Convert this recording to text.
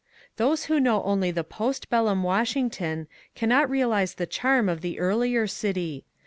Those who know only the posthellum Washington cannot realize the charm of the earlier city.